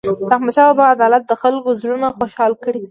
د احمدشاه بابا عدالت د خلکو زړونه خوشحال کړي وو.